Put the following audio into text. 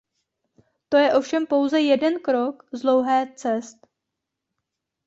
To je ovšem pouze jeden krok z dlouhé cest.